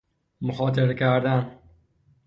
مخاطره کردن